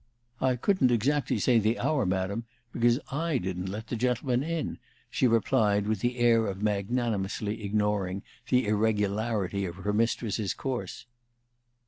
"I couldn't exactly say the hour, Madam, because I didn't let the gentleman in," she replied, with the air of magnanimously ignoring the irregularity of her mistress's course.